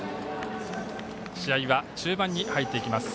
試合は中盤に入っていきます。